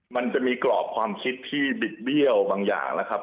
มันจะมีกรอบความคิดที่บิดเบี้ยวบางอย่างนะครับ